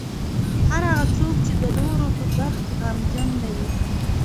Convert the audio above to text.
هر هغه څوک چې د نورو په درد غمجن نه وي.